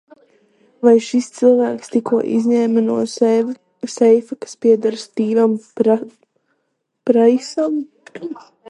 Vai šis cilvēks tikko izņēma no seifa, kas pieder Stīvam Praisam?